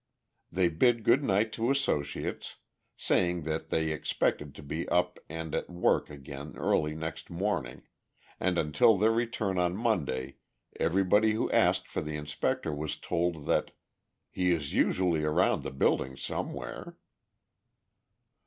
They bid good night to associates, saying that they expected to be up and at work again early next morning, and until their return on Monday everybody who asked for the Inspector was told that "he is usually around the building somewhere."